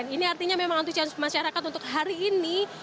ini artinya memang antusias masyarakat untuk hari ini